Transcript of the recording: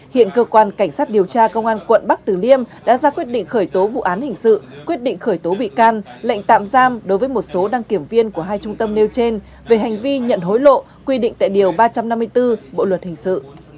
hiện cơ quan cảnh sát điều tra công an quận bắc tử liêm đã ra quyết định khởi tố vụ án hình sự quyết định khởi tố bị can lệnh tạm giam đối với một số đăng kiểm viên của hai trung tâm nêu trên về hành vi nhận hối lộ quy định tại điều ba trăm năm mươi bốn bộ luật hình sự